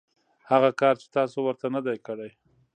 هغه کار چې تاسو ورته نه دی کړی .